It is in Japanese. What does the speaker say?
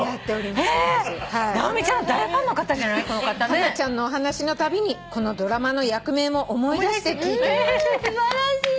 「ハナちゃんのお話のたびにこのドラマの役名も思い出して聞いています」